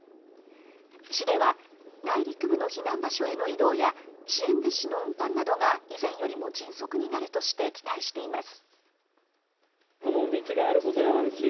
市では内陸部の避難場所への移動や支援物資の運搬などが以前よりも迅速になるとして期待しています。